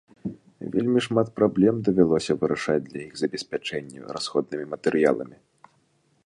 Вельмі шмат праблем давялося вырашаць для іх забеспячэння расходнымі матэрыяламі.